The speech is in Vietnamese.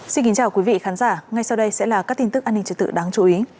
xin kính chào quý vị khán giả ngay sau đây sẽ là các tin tức an ninh trật tự đáng chú ý